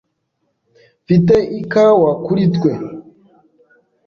Mfite ikawa kuri twe.